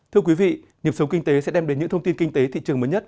thưa quý vị nhiệm sống kinh tế sẽ đem đến những thông tin kinh tế thị trường mới nhất